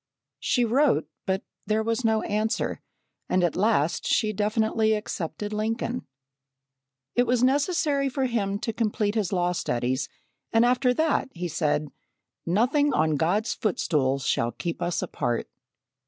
She wrote, but there was no answer and at last she definitely accepted Lincoln. It was necessary for him to complete his law studies, and after that, he said, "Nothing on God's footstool shall keep us apart."